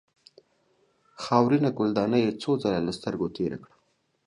خاورینه ګلدانۍ یې څو ځله له سترګو تېره کړه.